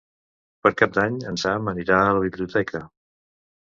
Per Cap d'Any en Sam anirà a la biblioteca.